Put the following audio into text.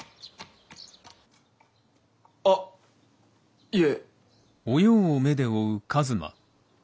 あっいえ。